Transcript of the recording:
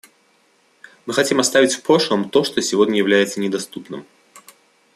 Мы хотим оставить в прошлом то, что сегодня является недоступным.